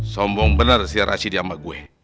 sombong bener si rashid sama gue